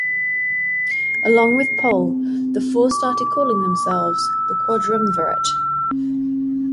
Along with Pohl, the four started calling themselves the "Quadrumvirate".